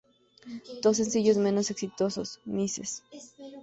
Dos sencillos menos exitosos, "Mrs.